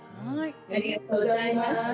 ありがとうございます。